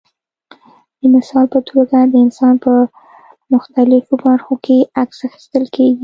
د مثال په توګه د انسان په مختلفو برخو کې عکس اخیستل کېږي.